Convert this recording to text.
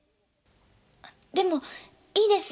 でもいいです。